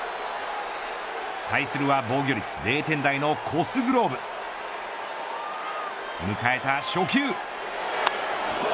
対するは防御率０点台のコスグローブ迎えた初球。